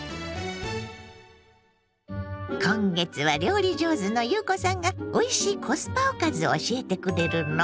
今月は料理上手の裕子さんがおいしいコスパおかずを教えてくれるの。